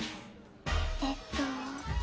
えっと